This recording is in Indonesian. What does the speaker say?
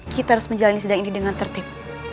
kita harus menjalani sidang ini dengan tertib